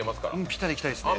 ピタリいきたいですね。